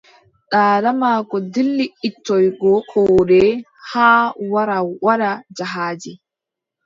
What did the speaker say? Daada maako dilli ittoygo koode haa wara waɗa jahaaji.